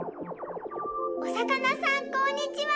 おさかなさんこんにちは！